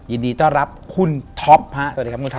ยินดีต้อนรับคุณท็อปฮะสวัสดีครับคุณท็